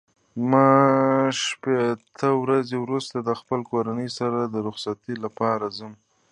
ما شپېته ورځې وروسته د خپل کورنۍ سره د رخصتۍ لپاره ځم.